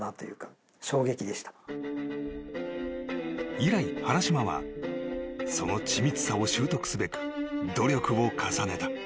［以来原島はその緻密さを習得すべく努力を重ねた］